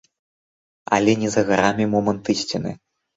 Але не за гарамі момант ісціны.